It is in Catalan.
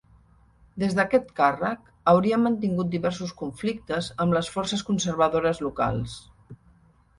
Des d'aquest càrrec hauria mantingut diversos conflictes amb les forces conservadores locals.